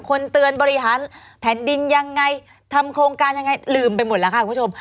เตือนบริหารแผ่นดินยังไงทำโครงการยังไงลืมไปหมดแล้วค่ะคุณผู้ชม